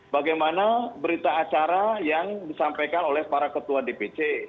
bagaimana berita acara yang disampaikan oleh para ketua dpc